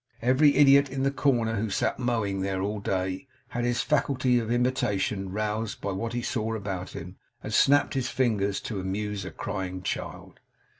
The very idiot in the corner who sat mowing there, all day, had his faculty of imitation roused by what he saw about him; and snapped his fingers to amuse a crying child.